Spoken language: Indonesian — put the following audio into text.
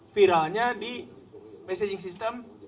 viralnya di messaging system